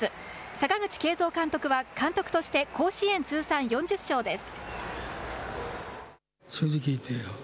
阪口慶三監督は監督として甲子園通算４０勝です。